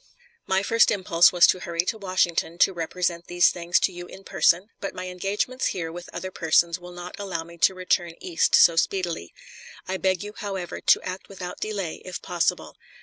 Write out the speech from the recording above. My first impulse was to hurry to Washington to represent these things to you in person; but my engagements here with other persons will not allow me to return East so speedily. I beg you, however, to act without delay, if possible.